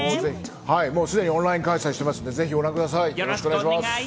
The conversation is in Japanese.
すでにオンライン開催してますので、ぜひご覧ください、よろしくお願いします。